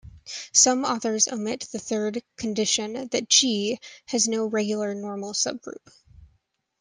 Some authors omit the third condition that "G" has no regular normal subgroup.